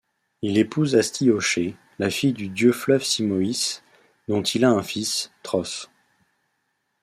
Il épouse Astyoché, la fille du dieu-fleuve Simoïs, dont il a un fils, Tros.